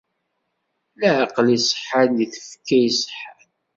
Leɛqel iṣeḥḥan deg tfekka iṣeḥḥan.